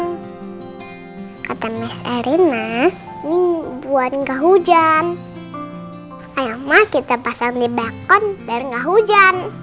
kata mas erina ini buat nggak hujan ayam mah kita pasang di bakon biar nggak hujan